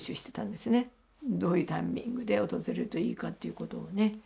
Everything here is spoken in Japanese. どういうタイミングで訪れるといいかっていうことをね。